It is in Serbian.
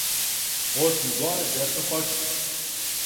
осми горе десно коцка